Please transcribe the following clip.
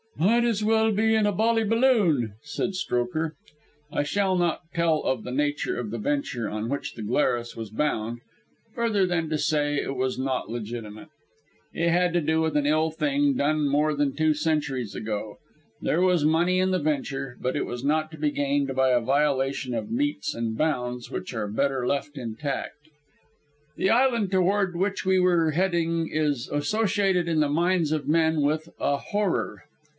"Might as well be in a bally balloon," said Strokher. I shall not tell of the nature of the venture on which the Glarus was bound, further than to say it was not legitimate. It had to do with an ill thing done more than two centuries ago. There was money in the venture, but it was not to be gained by a violation of metes and bounds which are better left intact. The island toward which we were heading is associated in the minds of men with a Horror.